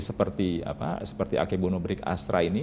seperti akebono brick astra ini